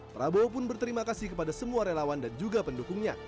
prabowo pun berterima kasih kepada semua relawan dan juga pendukungnya